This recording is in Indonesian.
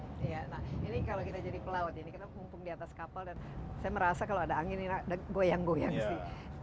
iya nah ini kalau kita jadi pelaut ini kita mumpung di atas kapal dan saya merasa kalau ada angin ini goyang goyang sih